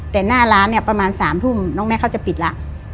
แต่หน้าร้านเนี่ยประมาณ๓ทุ่มน้องแม่เขาจะปิดละ